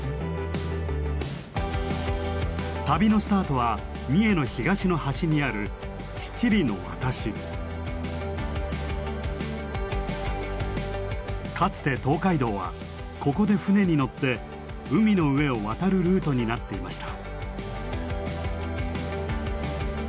旅のスタートは三重の東の端にあるかつて東海道はここで船に乗って海の上を渡るルートになっていました。